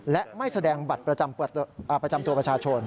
และไม่แสดงบัตรประจำตัวประชาชน